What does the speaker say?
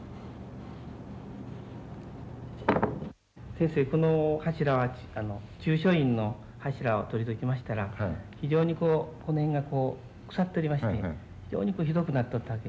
先生この柱は中書院の柱を取りましたら非常にこうこの辺がこう腐っとりまして非常にこうひどくなっとったわけです。